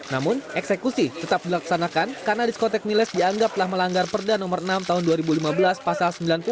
namun eksekusi tetap dilaksanakan karena diskotek miles dianggap telah melanggar perda nomor enam tahun dua ribu lima belas pasal sembilan puluh